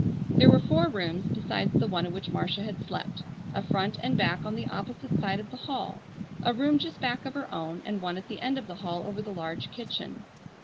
There were four rooms besides the one in which Marcia had slept: a front and back on the opposite side of the hall, a room just back of her own, and one at the end of the hall over the large kitchen.